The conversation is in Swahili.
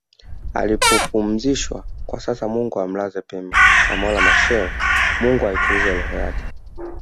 alipopumzishwakwa sasa Mungu amlaze pema Samora Machel Mungu aitulize roho yake